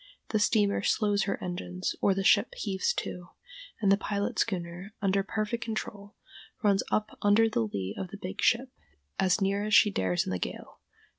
The steamer slows her engines, or the ship heaves to, and the pilot schooner, under perfect control, runs up under the lee of the big ship, as near as she dares in the gale.